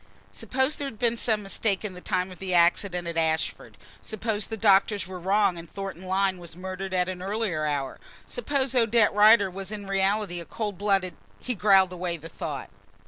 Suppose there had been some mistake in the time of the accident at Ashford? Suppose the doctors were wrong and Thornton Lyne was murdered at an earlier hour? Suppose Odette Rider was in reality a cold blooded . He growled away the thought.